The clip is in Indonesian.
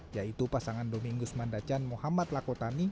yaitu pasangan domingus mandacan muhammad lakotani